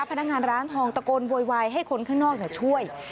พนักงานร้านทองตะโกนโวยวายให้คนข้างนอกช่วย